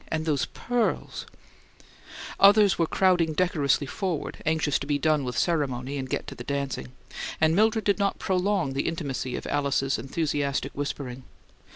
And those pearls " Others were crowding decorously forward, anxious to be done with ceremony and get to the dancing; and Mildred did not prolong the intimacy of Alice's enthusiastic whispering.